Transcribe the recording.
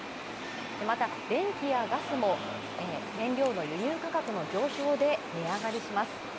また、電気やガスも燃料の輸入価格の上昇で値上がりします。